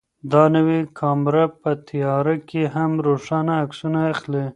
دا نوې کامره په تیاره کې هم روښانه عکسونه اخلي.